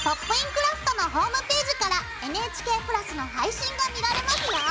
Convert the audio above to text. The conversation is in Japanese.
クラフト」のホームページからＮＨＫプラスの配信が見られますよ。